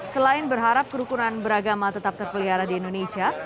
selain berharap kerukunan beragama tetap terpelihara di indonesia